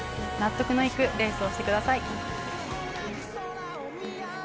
納得のいくレースをしてください。